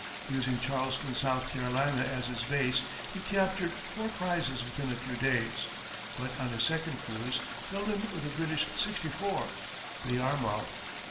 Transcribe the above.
Using Charleston, South Carolina, as his base, he captured four prizes within a few days, but on his second cruise, fell in with a British sixty four, the Yarmouth.